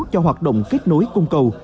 cho hoạt động kết nối công cầu